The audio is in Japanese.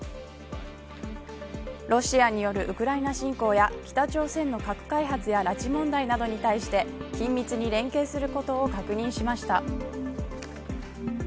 ロシアによるウクライナ侵攻や北朝鮮の核開発や拉致問題などに対して緊密に連携することを確認しました。